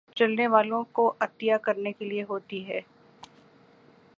چلنے والوں کوعطیہ کرنے کے لیے ہوتی ہے